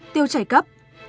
tiêu chảy cấp